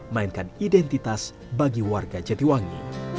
mainkan identitas bagi warga jatiwangi